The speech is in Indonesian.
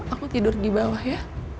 aku tidur di bawah ya